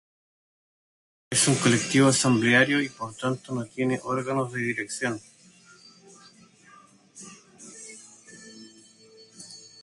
Es un colectivo asambleario y por tanto no tiene órganos de dirección.